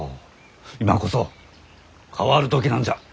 今こそ変わる時なんじゃ。